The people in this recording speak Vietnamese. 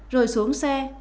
rồi xuống xe